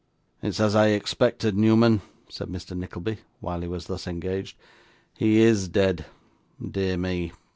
'It is as I expected, Newman,' said Mr. Nickleby, while he was thus engaged. 'He IS dead. Dear me!